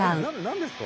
何ですか？